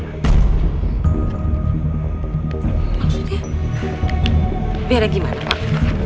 maksudnya beda gimana pak